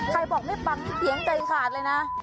ใครบอกไม่ปังนี่เสียงใจขาดเลยนะ